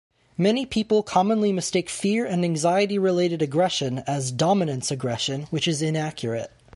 Many people commonly mistake fear and anxiety-related aggression as "dominance aggression," which is inaccurate.